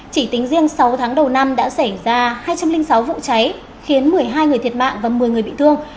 chỉ tính riêng sáu tháng đầu năm đã xảy ra hai trăm linh sáu vụ cháy khiến một mươi hai người thiệt mạng và một mươi người bị thương